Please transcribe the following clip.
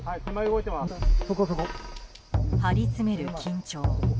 張り詰める緊張。